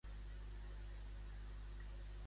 Tanmateix en qüestions d'amor, no elegeixo un bàndol.